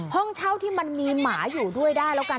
ห้องเช่าที่มันมีหมาอยู่ด้วยได้แล้วกัน